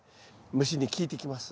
虫に効いてきます。